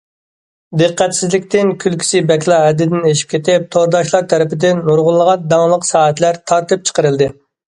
« دىققەتسىزلىك» تىن كۈلكىسى بەكلا ھەددىدىن ئېشىپ كېتىپ، تورداشلار تەرىپىدىن نۇرغۇنلىغان داڭلىق سائەتلەر تارتىپ چىقىرىلدى.